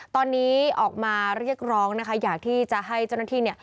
ตอนนี้ออกมาเรียกร้องนะคะอยากที่จะให้เจ้าหน้าที่เนี่ย